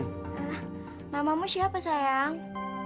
hah namamu siapa sayang